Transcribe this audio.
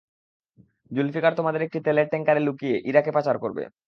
জুলফিকার তোমাদের একটি তেলের ট্যাঙ্কারে লুকিয়ে ইরাকে পাচার করবে।